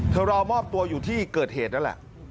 รอมอบตัวอยู่ที่เกิดเหตุนั่นแหละ